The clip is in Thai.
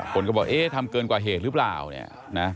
คนก็บอกเอ๊ะทำเกินกว่าเหตุหรือเปล่าเนี่ยนะ